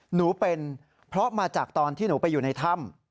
หนูเป็นเพราะมาจากตอนที่หนูไปอยู่ในถ้ำ